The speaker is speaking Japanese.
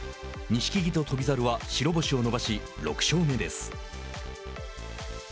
錦木と翔猿は白星を伸ばし６勝目です。